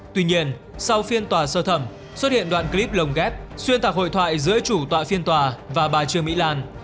tuy nhiên sau phiên tòa sơ thẩm xuất hiện đoạn clip lồng ghép xuyên tạc hội thoại giữa chủ tọa phiên tòa và bà trương mỹ lan